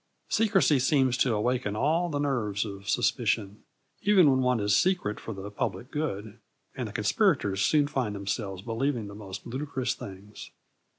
Secrecy seems to awaken all the nerves of suspicion, even when one is secret for the public good, and the conspirators soon find themselves believing the most ludicrous things.